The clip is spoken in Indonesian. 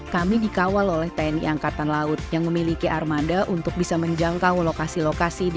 kami dikawal oleh tni angkatan laut yang memiliki armada untuk bisa menjangkau lokasi lokasi di